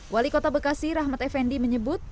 wali kota bekasi rahmat effendi menyebut